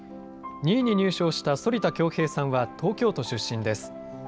２位に入賞した反田恭平さんは東京都出身です。